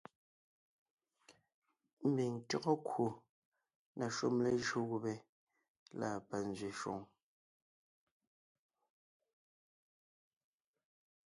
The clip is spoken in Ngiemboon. Mbiŋ tÿɔ́gɔ kwò na shúm lejÿó gubé lâ panzwě shwòŋ,